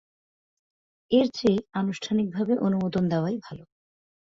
এর চেয়ে আনুষ্ঠানিকভাবে অনুমোদন দেওয়াই ভালো।